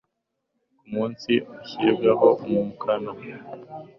ku munsi ashyiriweho umukono